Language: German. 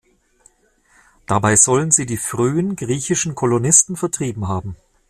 Dabei sollen sie die frühen griechischen Kolonisten vertrieben haben.